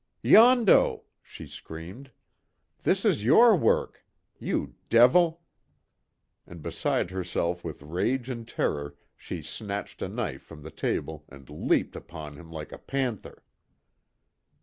"Yondo!" she screamed, "This is your work! You devil!" and beside herself with rage and terror, she snatched a knife from the table and leaped upon him like a panther.